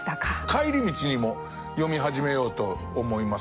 帰り道にも読み始めようと思います。